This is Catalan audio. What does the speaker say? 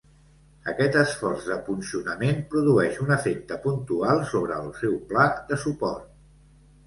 Aquest esforç de punxonament produeix un efecte puntual sobre el seu pla de suport.